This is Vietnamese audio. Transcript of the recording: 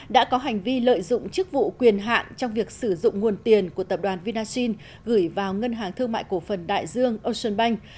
đã có hành vi lợi dụng chức vụ quyền hạn trong việc sử dụng nguồn tiền của tập đoàn vinasin gửi vào ngân hàng thương mại cổ phần đại dương ocean bank